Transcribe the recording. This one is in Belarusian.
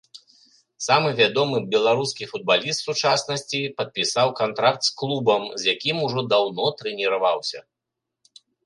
Самы вядомы беларускі футбаліст сучаснасці падпісаў кантракт з клубам, з якім ужо даўно трэніраваўся.